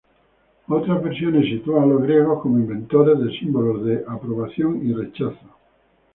Otras versiones sitúan a los griegos como inventores de símbolos de aprobación y rechazo.